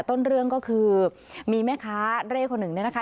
ต้นเรื่องก็คือมีแม่ค้าเร่คนหนึ่งเนี่ยนะคะ